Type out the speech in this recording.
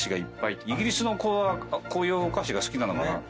イギリスの子はこういうお菓子が好きなのかな。